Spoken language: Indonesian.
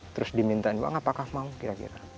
terus dimintain uang apakah mau kira kira